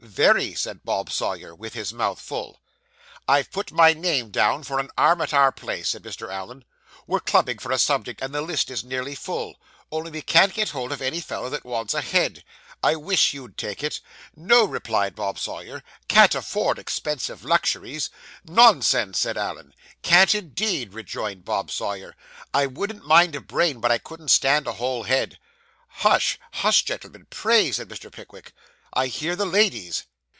'Very,' said Bob Sawyer, with his mouth full. 'I've put my name down for an arm at our place,' said Mr. Allen. 'We're clubbing for a subject, and the list is nearly full, only we can't get hold of any fellow that wants a head. I wish you'd take it.' 'No,' replied 'Bob Sawyer; 'can't afford expensive luxuries.' 'Nonsense!' said Allen. 'Can't, indeed,' rejoined Bob Sawyer, 'I wouldn't mind a brain, but I couldn't stand a whole head.' Hush, hush, gentlemen, pray,' said Mr. Pickwick, 'I hear the ladies.